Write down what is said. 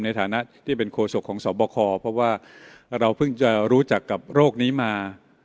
ในฐานะที่เป็นโคศกของสอบคอเพราะว่าเราเพิ่งจะรู้จักกับโรคนี้มา